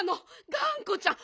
がんこちゃん。